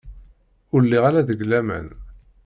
Ur lliɣ ara deg laman.